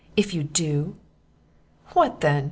If you do!" "What then?"